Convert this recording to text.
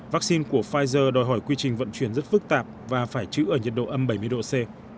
vaccine của pfizer đòi hỏi quy trình vận chuyển rất phức tạp và phải chữ ở nhiệt độ âm bảy mươi độ c